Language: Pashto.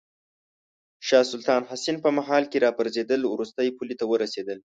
د شاه سلطان حسین په مهال کې راپرزېدل وروستۍ پولې ته ورسېدل.